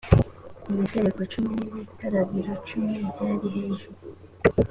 ibitereko cumi n ibikarabiro cumi byari hejuru